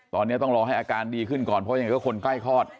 ตอนนี้ต้องรอให้อาการดีขึ้นก่อนเพราะยังไงก็คนใกล้คลอด